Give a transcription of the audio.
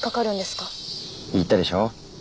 言ったでしょう？